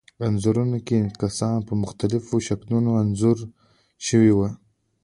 انځورونو کې کسان په مختلفو شکلونو انځور شوي وو.